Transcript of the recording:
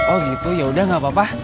oh gitu yaudah gak apa apa